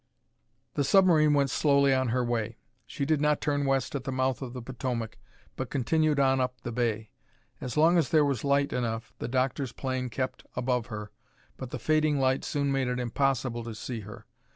The submarine went slowly on her way. She did not turn west at the mouth of the Potomac but continued on up the bay. As long as there was light enough, the doctor's plane kept above her but the fading light soon made it impossible to see her.